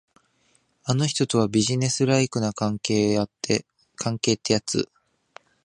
あの人とは、ビジネスライクな関係ってやつ。